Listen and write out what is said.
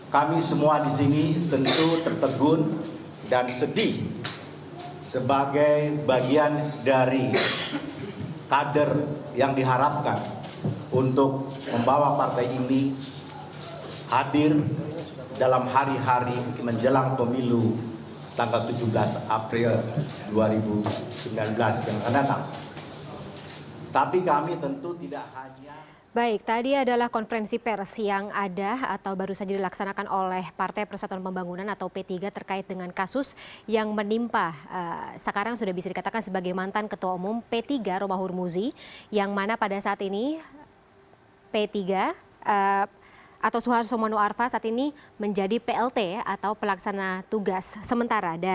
kepada pemerintah saya ingin mengucapkan terima kasih kepada pemerintah pemerintah yang telah menonton